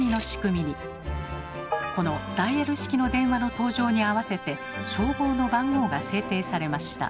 このダイヤル式の電話の登場に合わせて消防の番号が制定されました。